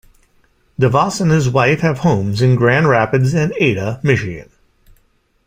DeVos and his wife have homes in Grand Rapids and Ada, Michigan.